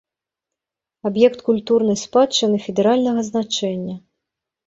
Аб'ект культурнай спадчыны федэральнага значэння.